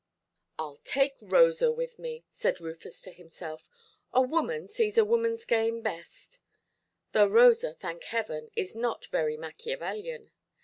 "Iʼll take Rosa with me", said Rufus to himself; "a woman sees a womanʼs game best; though Rosa, thank Heaven, is not very Machiavellian.